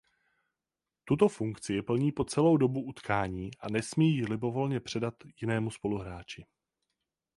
Tuto funkci plní po celou dobu utkání a nesmí ji libovolně předat jinému spoluhráči.